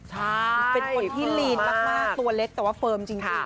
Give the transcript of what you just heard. ใช่เป็นคนที่ลีนมากตัวเล็กแต่ว่าเฟิร์มจริง